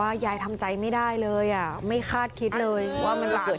ยายทำใจไม่ได้เลยอ่ะไม่คาดคิดเลยว่ามันจะเกิด